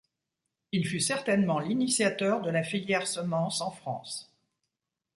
Il fut certainement l'initiateur de la filière semence en France.